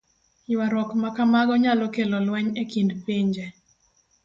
Ywaruok ma kamago nyalo kelo lweny e kind pinje.